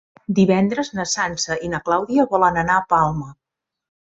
Divendres na Sança i na Clàudia volen anar a Palma.